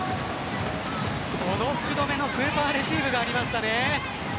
この福留のスーパーレシーブがありましたね。